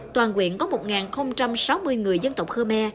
toàn quyện có một sáu mươi người dân tộc khô me